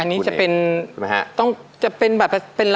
อันนี้จะเป็นบัตรรับรองสิทธิ์